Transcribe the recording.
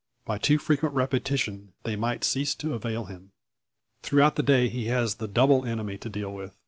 By too frequent repetition they might cease to avail him. Throughout the day he has the double enemy to deal with.